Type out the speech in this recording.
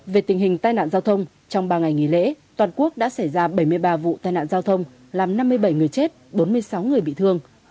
về tình hình tai nạn giao thông trong ba ngày nghỉ lễ toàn quốc đã xảy ra bảy mươi ba vụ tai nạn giao thông làm năm mươi bảy người chết bốn mươi sáu người bị thương